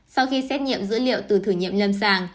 sau khi xét nghiệm dữ liệu từ thử nghiệm lâm sàng